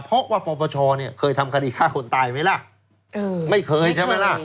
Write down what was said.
เพราะว่าปรปชเคยทำคดีฆ่าคนตายมั้ยล่ะไม่เคยใช่มั้ยล่ะ